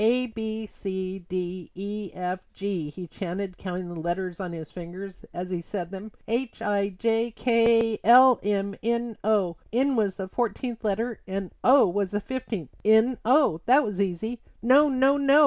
"A, B, C, D, E, F, G," he chanted, counting the letters on his fingers as he said them, "H, I, J, K, L, M, N, O:" N was the fourteenth letter and O was the fifteenth. N O; that was easy. "No! No! No!"